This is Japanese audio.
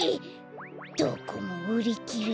どこもうりきれ。